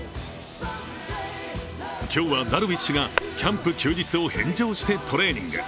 今日は、ダルビッシュがキャンプ休日を返上してトレーニング。